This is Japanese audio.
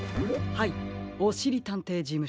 おしりたんていじむしょです。